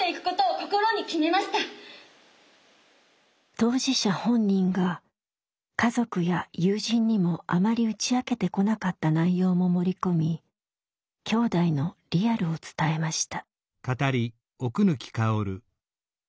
当事者本人が家族や友人にもあまり打ち明けてこなかった内容も盛り込みきょうだいのリアルを伝えました。